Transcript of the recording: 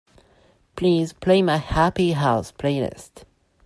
Please play my Happy House playlist.